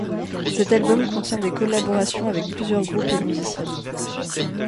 Cet album contient des collaborations avec plusieurs groupes et musiciens.